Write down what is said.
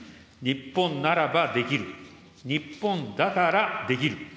日本ならばできる、日本だからできる。